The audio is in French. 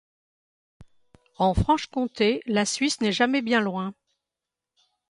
En Franche-Comté, la Suisse n'est jamais bien loin.